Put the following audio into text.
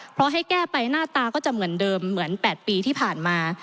เพราะให้แก้ไปหน้าตาก็จะเหมือนเดิมเหมือน๘ปีที่ผ่านมา